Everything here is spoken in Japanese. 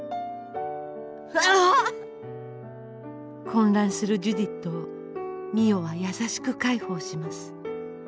混乱するジュディットを美世は優しく介抱します。